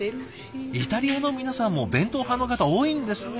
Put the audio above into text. イタリアの皆さんも弁当派の方多いんですね。